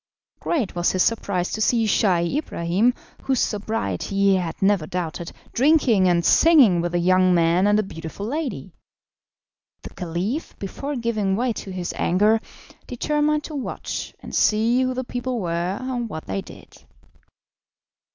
Great was his surprise to see Scheih Ibrahim, whose sobriety he had never doubted, drinking and singing with a young man and a beautiful lady. The Caliph, before giving way to his anger, determined to watch and see who the people were and what they did.